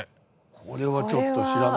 これはちょっと知らなかった。